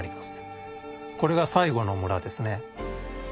これが最後の村ですね。